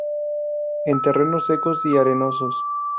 En terrenos secos y arenosos.